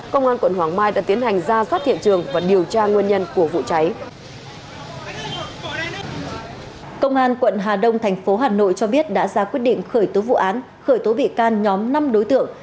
công an quận hà đông thành phố hà nội cho biết đã ra quyết định khởi tố vụ án khởi tố bị can nhóm năm đối tượng